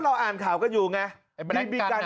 ก็เราอ่านข่าก็อยู่ไงไอ้แบรนด์กัน